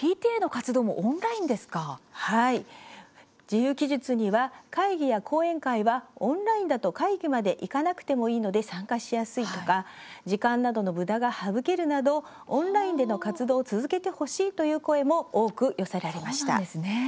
自由記述には会議や講演会はオンラインだと会場まで行かなくてもいいので参加しやすいとか時間などのむだが省けるなどオンラインでの活動を続けてほしいという声も多く寄せられました。